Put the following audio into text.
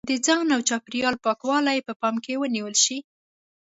د ځان او چاپېریال پاکوالی په پام کې ونیول شي.